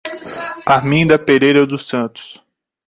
Arminda Pereira dos Santos